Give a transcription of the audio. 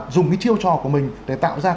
dùng cái chiêu trò của mình để tạo ra